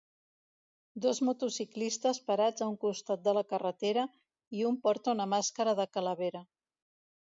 Dos motociclistes parats a un costat de la carretera, i un porta una màscara de calavera.